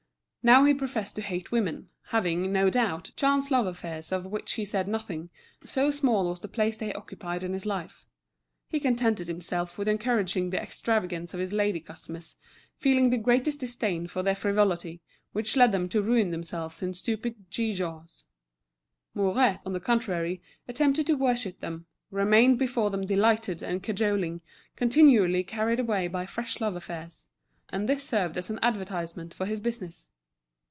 Now he professed to hate women, having, no doubt, chance love affairs of which he said nothing, so small was the place they occupied in his life; he contented himself with encouraging the extravagance of his lady customers, feeling the greatest disdain for their frivolity, which led them to ruin themselves in stupid gewgaws. Mouret, on the contrary, attempted to worship them, remained before them delighted and cajoling, continually carried away by fresh love affairs; and this served as an advertisement for his business.